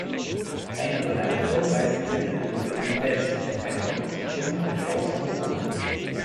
Einer seiner erfolgreichsten Titel wurde "Yvette", eine Komposition von Klaus Hugo.